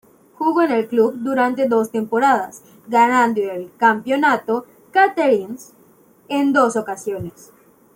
Jugó en el club durante dos temporadas, ganando el Campeonato Catarinense en dos ocasiones.